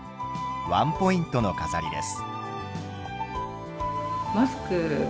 ワンポイントの飾りです。